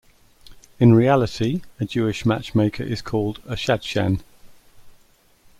In reality a Jewish matchmaker is called a "shadchan".